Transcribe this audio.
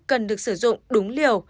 cần được sử dụng đúng liều